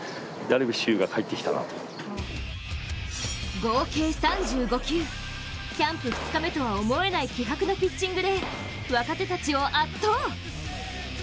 合計３５球、キャンプ２日目とは思えない気迫のピッチングで若手たちを圧倒。